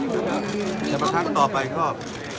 ถามแล้วถามแล้วพูดแล้วพูดกันก็พูดซ้ำซ้ำ